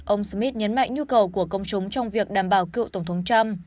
ông smith nhấn mạnh nhu cầu của công chúng trong việc đảm bảo cựu tổng thống trump